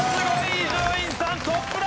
伊集院さんトップだ。